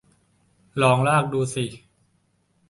ลองลากดูสิ